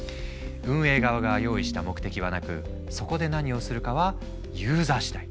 運営側が用意した目的はなくそこで何をするかはユーザー次第。